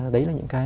đấy là những cái